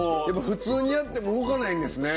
普通にやっても動かないんですね。